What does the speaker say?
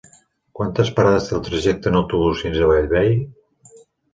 Quantes parades té el trajecte en autobús fins a Bellvei?